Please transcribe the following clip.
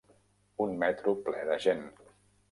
Un metro ple de gent.